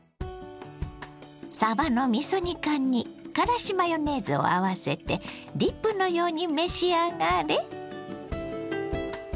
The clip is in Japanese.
さばのみそ煮缶にからしマヨネーズを合わせてディップのように召し上がれ。